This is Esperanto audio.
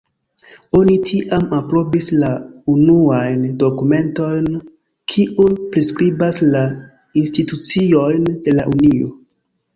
Oni tiam aprobis la unuajn dokumentojn kiuj priskribas la instituciojn de la Unio.